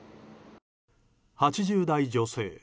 ８０代女性。